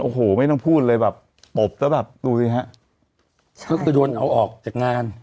โอ้โหไม่ต้องพูดเลยแบบตบแล้วแบบดูสิฮะใช่ก็คือโดนเอาออกจากงาน